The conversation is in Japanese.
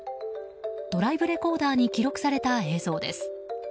ドライブレコーダーに記録された映像です。